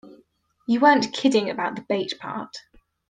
You weren't kidding about the bait part.